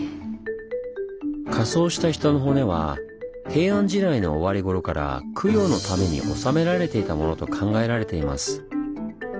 火葬した人の骨は平安時代の終わりごろから供養のために納められていたものと考えられています。